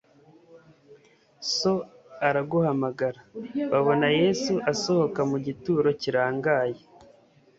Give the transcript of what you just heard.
So araguhamagara. Babona Yesu asohoka mu gituro kirangaye